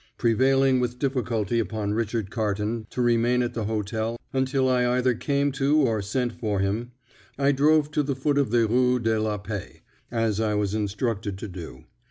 Prevailing with difficulty upon Richard Carton to remain at the hotel until I either came to or sent for him, I drove to the foot of the Rue de la Paix, as I was instructed to do.